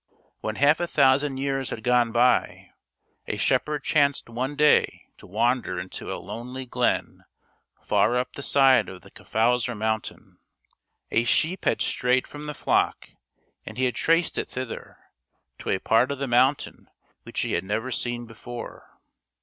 When half a thousand years had gone by, a shep herd chanced one day to wander into a lonely glen far up the side of the Kyffhauser Mountain. A sheep had strayed from the flock and he had traced it thither, to a part of the mountain which he had never seen before.